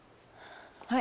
はい。